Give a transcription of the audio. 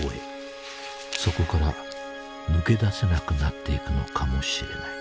そこから抜け出せなくなっていくのかもしれない。